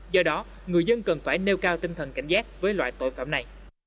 do đó người dân cần phải nêu cao tinh thần cảnh giác với loại tội phạm này